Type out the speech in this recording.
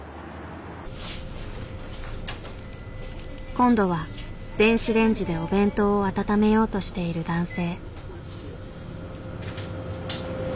今度は電子レンジでお弁当を温めようとしている男性。